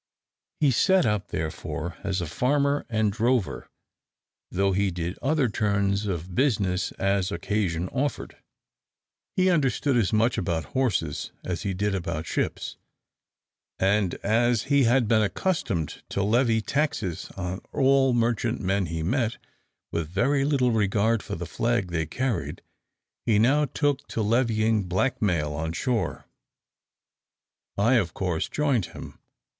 He set up, therefore, as a farmer and drover, though he did other turns of business as occasion offered. He understood as much about horses as he did about ships; and, as he had been accustomed to levy taxes on all merchantmen he met, with very little regard for the flag they carried, he now took to levying black mail on shore. I, of course, joined him.